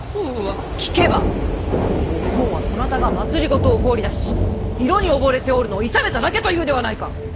聞けばお幸はそなたが政を放り出し色に溺れておるのをいさめただけと言うではないか！